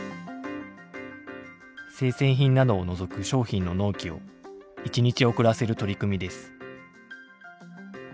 生鮮品などを除く商品の納期を１日遅らせる取り組みです。